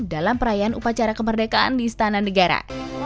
dalam perayaan upacara kemerdekaan di istana negara